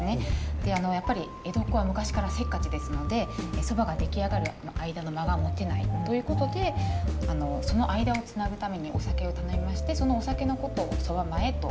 でやっぱり江戸っ子は昔からせっかちですので蕎麦が出来上がる間の間が持てないということでその間をつなぐためにお酒を頼みましてそのお酒のことを蕎麦前といいました。